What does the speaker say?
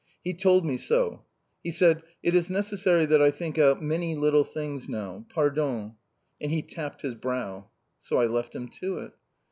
He told me so. He said, "It is necessary that I think out many little things now! Pardon!" And he tapped his brow. So I left him to it!